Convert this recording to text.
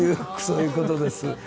そういう事です。